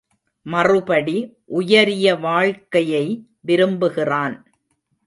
மறுபடி உயரிய வாழ்க்கையை விரும்புகிறான்.